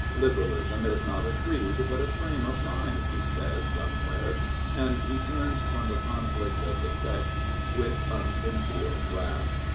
" Liberalism is not a creed, but a frame of mind " he says somewhere, and he turns from the conflicts of the sects with unconcealed wrath.